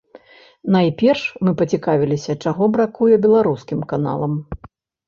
Найперш, мы пацікавіліся, чаго бракуе беларускім каналам.